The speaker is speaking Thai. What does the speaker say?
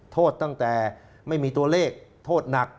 โทษตั้งแต่ไม่มีตัวเลข